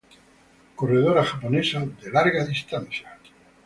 Corredora japonesa de larga distancia.